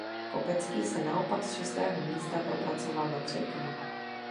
Kopecký se naopak z šestého místa propracoval na třetí.